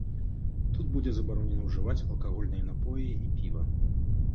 Тут будзе забаронена ўжываць алкагольныя напоі і піва.